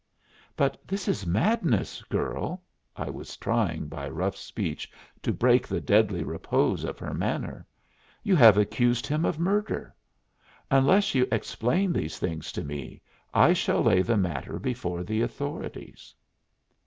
"But this is madness, girl." I was trying by rough speech to break the deadly repose of her manner. "You have accused him of murder. Unless you explain these things to me I shall lay the matter before the authorities."